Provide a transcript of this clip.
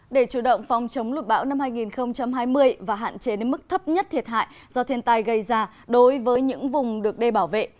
để chủ động phòng chống lụt bão năm hai nghìn hai mươi và hạn chế đến mức thấp nhất thiệt hại do thiên tai gây ra đối với những vùng được đê bảo vệ